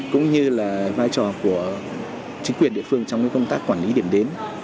cũng như là vai trò của chính quyền địa phương trong công tác quản lý điểm đến